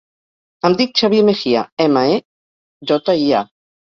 Em dic Xavier Mejia: ema, e, jota, i, a.